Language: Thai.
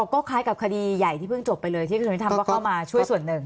ก็คล้ายกับคดีใหญ่ที่เพิ่งจบไปเลยที่กระทรวงยุทธรรมก็เข้ามาช่วยส่วนหนึ่ง